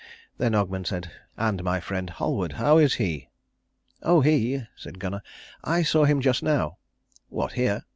Then Ogmund said, "And my friend Halward, how is he?" "Oh, he!" said Gunnar. "I saw him just now." "What, here?"